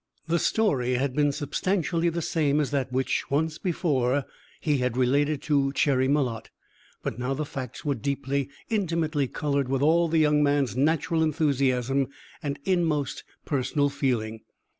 The story had been substantially the same as that which, once before, he had related to Cherry Malotte; but now the facts were deeply, intimately colored with all the young man's natural enthusiasm and inmost personal feeling.